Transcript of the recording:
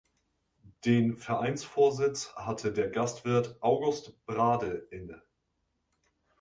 Den Vereinsvorsitz hatte der Gastwirt August Brade inne.